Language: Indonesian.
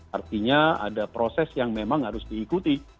artinya ada proses yang memang harus diikuti